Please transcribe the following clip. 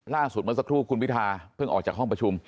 เมื่อสักครู่คุณพิทาเพิ่งออกจากห้องประชุม